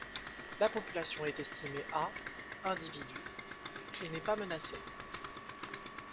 La population est estimée à individus et n'est pas menacée.